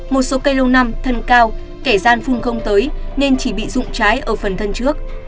một số cây lâu năm thân cao kẻ gian phun không tới nên chỉ bị rụng trái ở phần thân trước